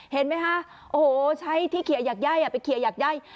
เห็นมั้ยคะใช้ที่เคลียร์หยักแย้ยอะไปเคลียร์หยักแย้ย